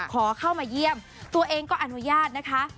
ขอเข้ามาเยี่ยมตัวเองก็อนุญาตนะคะ